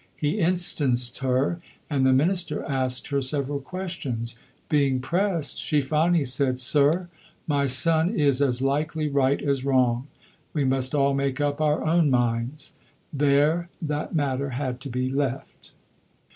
He instanced her, and the minister asked her several questions. Being pressed, she finally said, "Sir, my son is as likely right as wrong. We must all make up our own minds." There that matter had to be left.